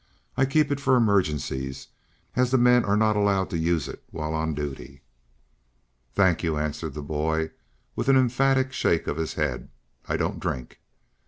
"I keep it for emergencies, as the men are not allowed to use it while on duty." "Thank you," answered the boy, with an emphatic shake of the head. "I don't drink."